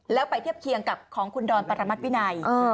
แล้วไปเทียบเคียงกับของคุณดอนปรมัติวินัย